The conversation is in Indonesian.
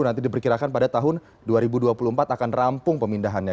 nanti diperkirakan pada tahun dua ribu dua puluh empat akan rampung pemindahannya